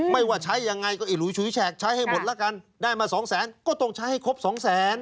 ว่าใช้ยังไงก็ไอ้หลุยฉุยแฉกใช้ให้หมดแล้วกันได้มาสองแสนก็ต้องใช้ให้ครบสองแสน